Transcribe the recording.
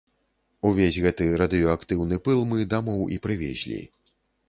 Увесь гэты радыеактыўны пыл мы дамоў і прывезлі.